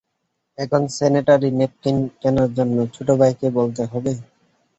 এখন sanitary napkin কেনার জন্য, ছোট ভাইকে বলতে হবে?